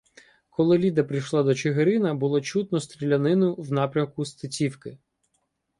Коли Ліда прийшла до Чигирина, було чутно стрілянину в напрямку Стецівки.